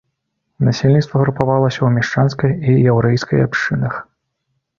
Насельніцтва групавалася ў мяшчанскай і яўрэйскай абшчынах.